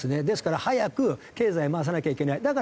ですから早く経済回さなきゃいけない。